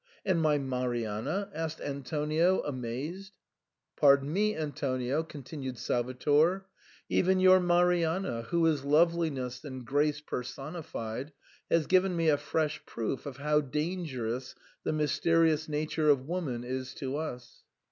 "And my Marianna ?" asked Antonio, amazed. "Pardon me, Antonio," continued Salvator, "even your Marianna, who is loveliness and grace personified, has given me a fresh proof of how dangerous the mysterious nature of woman is to us.